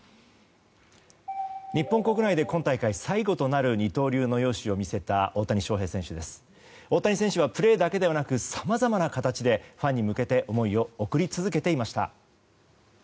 日本国内で今大会最後となる二刀流を見せた大谷選手はプレーだけではなくさまざまな形でファンに向けて思いを送り続けていました。